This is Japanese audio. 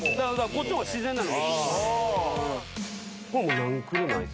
こっちの方が自然なの。